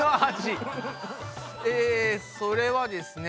えそれはですね